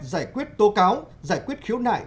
giải quyết tố cáo giải quyết khiếu nại